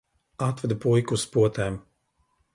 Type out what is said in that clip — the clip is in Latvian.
Atvedu puiku uz potēm.